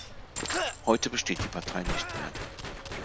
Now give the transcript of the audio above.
Heute besteht die Partei nicht mehr.